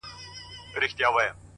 زه د شرابيانو قلندر تر ملا تړلى يم،